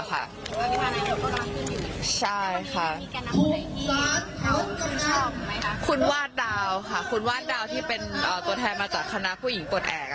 คุณวาดดาวค่ะคุณวาดดาวที่เป็นตัวแทนมาจากคณะผู้หญิงปลดแอบ